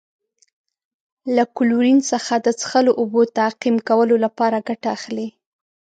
له کلورین څخه د څښلو اوبو تعقیم کولو لپاره ګټه اخلي.